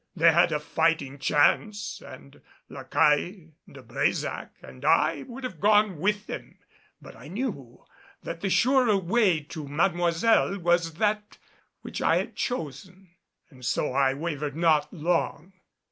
They had a fighting chance and La Caille, De Brésac and I would have gone with them; but I knew that the surer way to Mademoiselle was that which I had chosen, and so I wavered not for long.